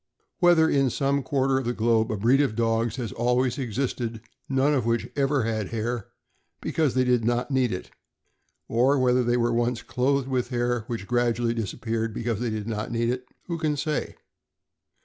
Whether in some quar ter of the globe a breed of dogs has always existed none of which ever had hair, because they did not need it, or whether they were once clothed with hair, which gradually disappeared because they did not need it, who can say